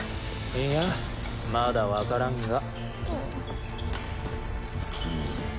いやまだわからんが。